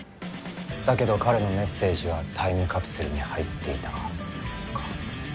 だけど彼のメッセージはタイムカプセルに入っていたか。